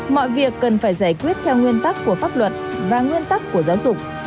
mọi việc cần phải giải quyết theo nguyên tắc của pháp luật và nguyên tắc của giáo dục